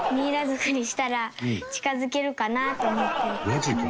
マジか。